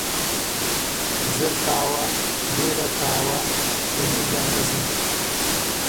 زر کاوه, بيړه کاوه کني ده نه ځم.